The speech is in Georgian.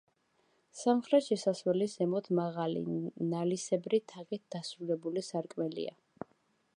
სამხრეთ შესასვლელის ზემოთ მაღალი, ნალისებრი თაღით დასრულებული სარკმელია.